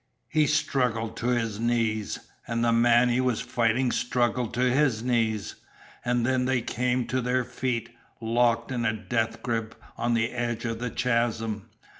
He struggled to his knees, and the man he was fighting struggled to his knees; and then they came to their feet, locked in a death grip on the edge of the chasm.